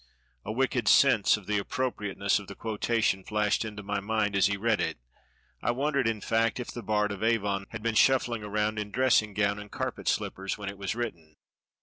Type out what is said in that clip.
A wicked sense of the appropriateness of the quotation flashed into my mind as he read it; I wondered, in fact, if the Bard of Avon had been shuffling around in dressing gown and carpet slippers when it was written.